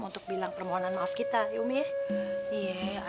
untuk bilang permohonan maaf kita iya umi ya